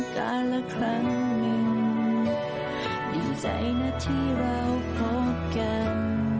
การละครั้งหนึ่งดีใจนะที่เราพบกัน